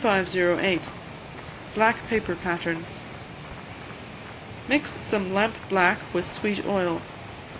Black Paper Patterns. Mix some lamp black with sweet oil.